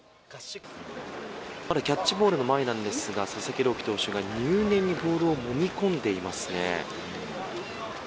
まだキャッチボールの前なんですが、佐々木朗希投手が、入念にボールをもみ込んでいますね。